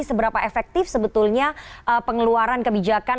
seberapa efektif sebetulnya pengeluaran kebijakan